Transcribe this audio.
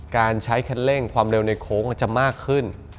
การใช้คันเร่งความเร็วในโค้งจะมากขึ้น